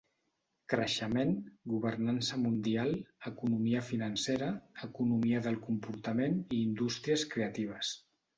Creixement, governança mundial, economia financera, economia del comportament i indústries creatives.